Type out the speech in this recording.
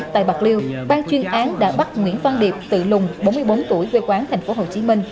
tại bạc liêu ban chuyên án đã bắt nguyễn văn điệp tự lùng bốn mươi bốn tuổi quê quán tp hcm